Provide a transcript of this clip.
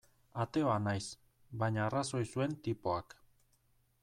Ateoa naiz, baina arrazoi zuen tipoak.